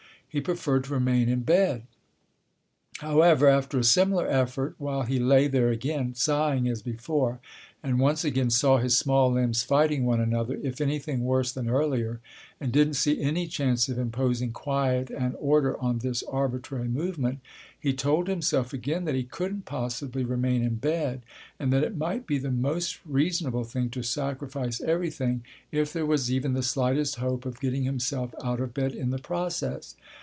He preferred to remain in bed. However, after a similar effort, while he lay there again, sighing as before, and once again saw his small limbs fighting one another, if anything worse than earlier, and didn't see any chance of imposing quiet and order on this arbitrary movement, he told himself again that he couldn't possibly remain in bed and that it might be the most reasonable thing to sacrifice everything if there was even the slightest hope of getting himself out of bed in the process.